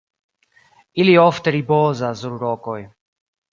Ili ofte ripozas sur rokoj.